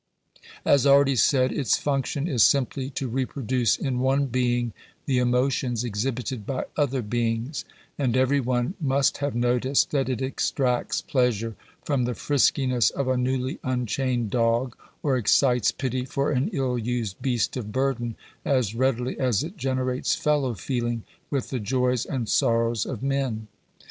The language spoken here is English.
As already said, its function is simply to reproduce in one being the emotions exhibited by other beings ; and every one must have noticed that it extracts pleasure from the friskiness of a newly unchained dog, or excites pity for an ill used beast of burden, as readily as it generates fellow feeling with the joys and sorrows of men.